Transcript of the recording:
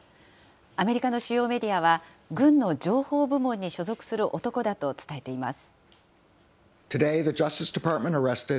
アメリカの主要メディアは、軍の情報部門に所属する男だと伝えています。